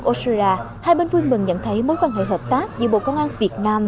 australia hai bên vui mừng nhận thấy mối quan hệ hợp tác giữa bộ công an việt nam